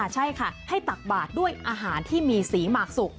ใช่ค่ะให้ตักบาทด้วยอาหารที่มีสีหมากสุก